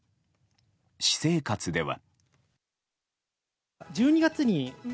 私生活では。